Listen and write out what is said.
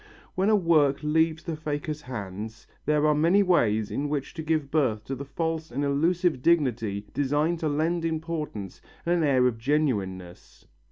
When a work leaves the faker's hands there are many ways in which to give birth to the false and illusive dignity designed to lend importance and an air of genuineness.